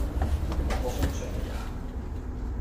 你學過風水未呀？